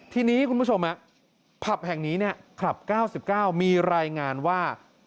ทีนี้คุณผู้ชมผับแห่งนี้คลับ๙๙มีรายงานว่า